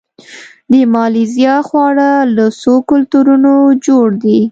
د مالیزیا خواړه له څو کلتورونو جوړ دي.